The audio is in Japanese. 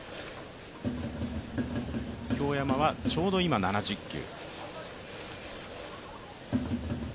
京山はちょうど今７０球。